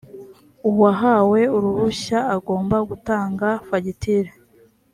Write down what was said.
uwahawe uruhushya agomba gutanga fagitire.